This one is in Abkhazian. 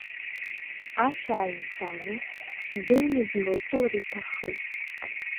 Ашә ааимԥааны, дыҩны дналԥылар иҭаххеит.